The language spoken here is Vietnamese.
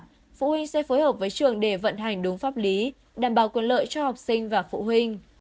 các phụ huynh sẽ phối hợp với trường để vận hành đúng pháp lý đảm bảo quyền lợi cho học sinh và phụ huynh